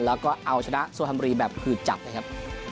แล้วก็เอาชนะสู้คันบุรีแบบพืชจับ